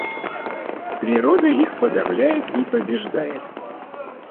Природа их подавляет и побеждает.